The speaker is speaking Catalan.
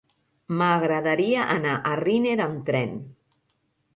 M'agradaria anar a Riner amb tren.